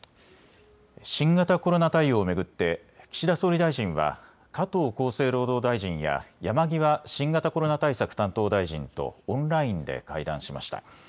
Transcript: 新型コロナ対応を巡って岸田総理大臣は加藤厚生労働大臣や山際新型コロナ対策担当大臣とオンラインで会談しました。